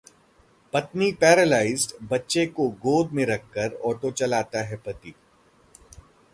पत्नी पैरालाइज्ड, बच्चे को गोद में रखकर ऑटो चलाता है पति